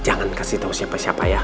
jangan kasih tahu siapa siapa ya